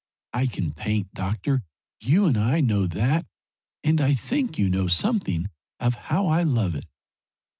I can paint, doctor, you and I know that, and I think you know something of how I love it.